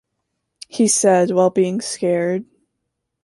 He said, while being scared.